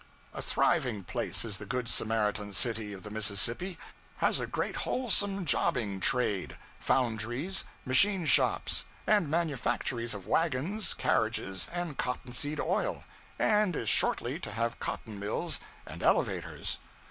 A thriving place is the Good Samaritan City of the Mississippi: has a great wholesale jobbing trade; foundries, machine shops; and manufactories of wagons, carriages, and cotton seed oil; and is shortly to have cotton mills and elevators.